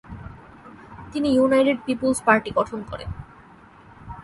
তিনি United People's Party গঠন করেন।